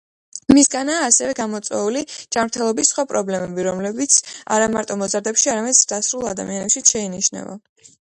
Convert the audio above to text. მისგანაა ასევე გამოწვეული ჯანმრთელობის სხვა პრობლემები, რომელიც არამარტო მოზარდებში, არამედ ზრდასრულ ადამიანებშიც შეინიშნება.